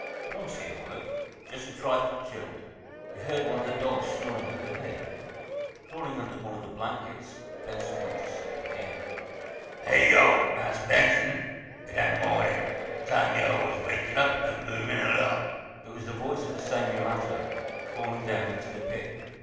Once he awoke, just a trifle chilled. He heard one of the dogs snoring overhead. Crawling under one of the blankets, Benson went to sleep again. "Hey, yo', Marse Benson. It am mawnin'. Time yo' was wakin' up an' movin' erlong!" It was the voice of the same mulatto, calling down into the pit.